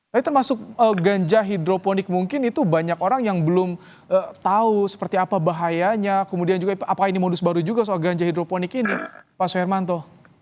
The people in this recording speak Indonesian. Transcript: tapi termasuk ganja hidroponik mungkin itu banyak orang yang belum tahu seperti apa bahayanya kemudian juga apakah ini modus baru juga soal ganja hidroponik ini pak soeharmanto